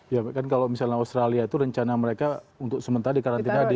ya kan kalau misalnya australia itu rencana mereka untuk sementara dikarantina